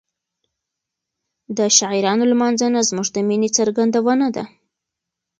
د شاعرانو لمانځنه زموږ د مینې څرګندونه ده.